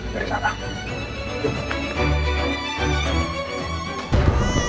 bisa kebawah sini ya